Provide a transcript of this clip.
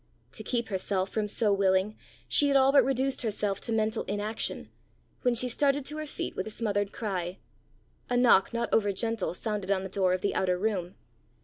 To keep herself from so willing, she had all but reduced herself to mental inaction, when she started to her feet with a smothered cry: a knock not over gentle sounded on the door of the outer room.